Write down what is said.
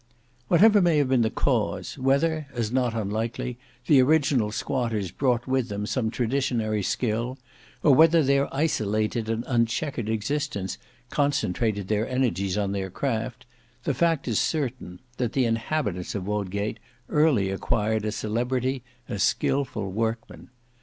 Whatever may have been the cause, whether, as not unlikely, the original squatters brought with them some traditionary skill, or whether their isolated and unchequered existence concentrated their energies on their craft, the fact is certain, that the inhabitants of Wodgate early acquired a celebrity as skilful workmen.